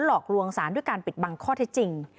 หลอกลวงสารด้วยการปิดบังข้อเท็จจริง